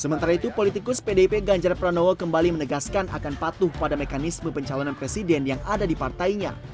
sementara itu politikus pdip ganjar pranowo kembali menegaskan akan patuh pada mekanisme pencalonan presiden yang ada di partainya